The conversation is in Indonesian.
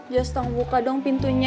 jess tolong buka dong pintunya